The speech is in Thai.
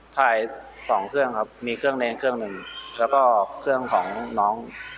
ถ่ายสองเครื่องครับมีเครื่องเนรเครื่องหนึ่งแล้วก็เครื่องของน้อง